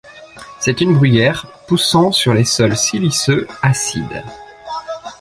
C'est une bruyère poussant sur les sols siliceux acides.